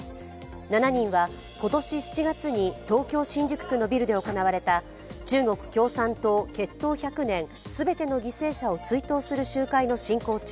７人は今年７月に東京・新宿区のビルで行われた中国共産党結党１００年全ての犠牲者を追悼する集会の進行中